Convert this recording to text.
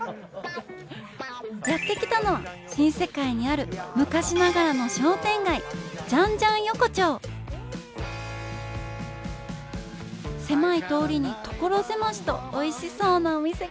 やって来たのは新世界にある昔ながらの商店街狭い通りに所狭しとおいしそうなお店がたくさん。